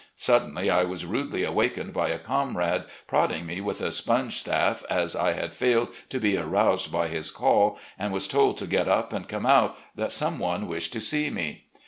Suddenly I was rudely awakened by a comrade, prodding me with a sponge staff as I had failed to be aroused by his call, and was told to get up and come out, that some one wished to see me.